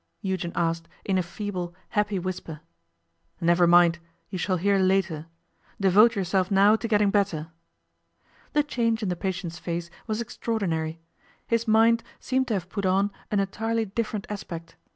Eugen asked in a feeble, happy whisper. 'Never mind. You shall hear later. Devote yourself now to getting better.' The change in the patient's face was extraordinary. His mind seemed to have put on an entirely different aspect.